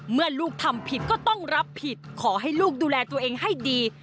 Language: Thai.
เมื่อลูกทำผิดก็ต้องรับผิดขอให้ลูกดูแลตัวเองให้ดี